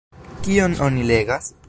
Kion oni legas?